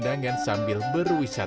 dengan ujian dariaxhiah